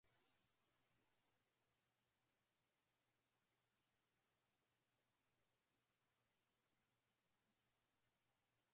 Alitoka Ceylon alikoshikilia wadhifa huohuo na alifanya kazi katika mahakama Kuu mjini Nairobi